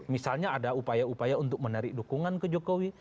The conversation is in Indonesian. misalnya ada upaya upaya untuk menarik dukungan ke jokowi